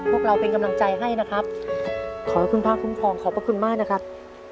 พวกเราเป็นกำลังใจให้นะครับขอให้คุณพระคุ้มครองขอบพระคุณมากนะครับ